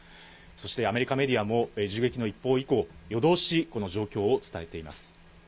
そしてアメリカメディアも、銃撃の一報以降、夜通し、この状況を伝えています。